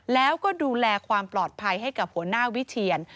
แล้วก็ดูแลความปลอดภัยให้กับหัวหน้าวิเชียน